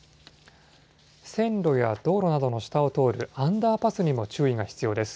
線路や道路などの下を通るアンダーパスにも注意が必要です。